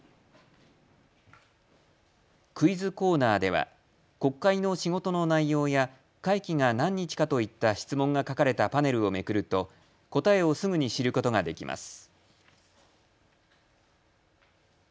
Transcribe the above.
クイズコーナーでは国会の仕事の内容や会期が何日かといった質問が書かれたパネルをめくると答えをすぐに知ることができます。